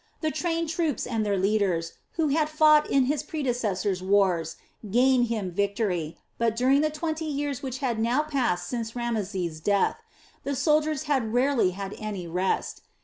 The trained troops and their leaders, who had fought in his predecessor's wars, gained him victory, but during the twenty years which had now passed since Rameses' death, the soldiers had rarely had any rest.